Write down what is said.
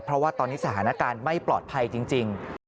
เพราะว่าตอนนี้สถานการณ์ไม่ปลอดภัยจริง